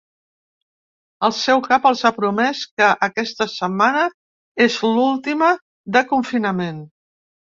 El seu cap els ha promès que aquesta setmana és l’última de confinament.